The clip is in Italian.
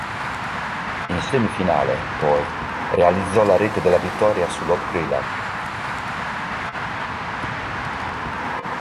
In semifinale, poi, realizzò la rete della vittoria sull'Odd Grenland.